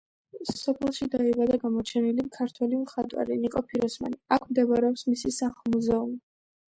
სოფელში დაიბადა გამოჩენილი ქართველი მხატვარი ნიკო ფიროსმანი, აქ მდებარეობს მისი სახლ-მუზეუმი.